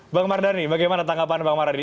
bang mardani bagaimana tanggapan bang mardani